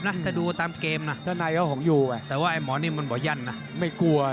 ยุบหรือเปล่าถอดหรือเปล่า